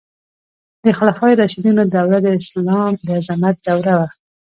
د خلفای راشدینو دوره د اسلام د عظمت دوره وه.